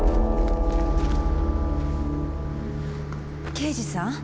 刑事さん